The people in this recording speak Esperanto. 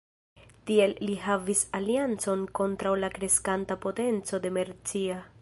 Tiel li havis aliancon kontraŭ la kreskanta potenco de Mercia.